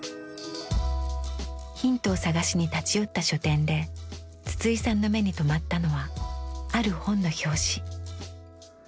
ヒントを探しに立ち寄った書店で筒井さんの目に留まったのはある本の表紙。